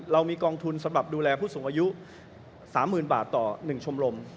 เรามีกองทุนสำหรับดูแลผู้สูงอายุ๓๐๐๐บาทต่อ๑ชมรม